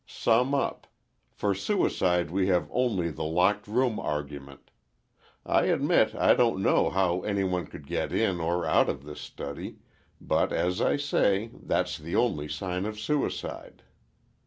Sum up. For suicide we have only the locked room argument. I admit I don't know how any one could get in or out of this study, but, as I say, that's the only sign of suicide.